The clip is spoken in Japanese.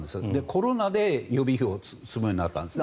コロナで予備費を積むようになったんですね